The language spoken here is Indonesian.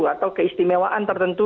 atau keistimewaan tertentu